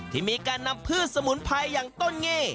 ที่มีการนำพืชสมุนไพรอย่างต้นเง่